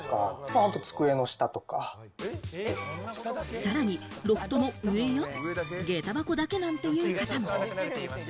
さらにロフトの上や、下駄箱だけなんていう方も。